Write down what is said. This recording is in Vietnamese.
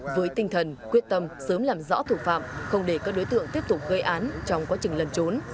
với tinh thần quyết tâm sớm làm rõ thủ phạm không để các đối tượng tiếp tục gây án trong quá trình lần trốn